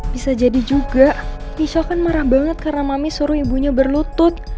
bisa jadi juga pisau kan marah banget karena mami suruh ibunya berlutut